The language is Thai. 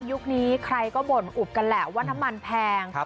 ยุคนี้ใครก็บ่นอุบกันแหละว่าน้ำมันแพง